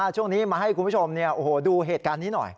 ช่วงนี้มาให้คุณผู้ชมดูเหตุการณ์นี้หน่อย